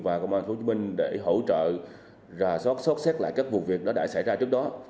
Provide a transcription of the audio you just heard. và công an hồ chí minh để hỗ trợ rà sót sốc xét lại các vụ việc đó đã xảy ra trước đó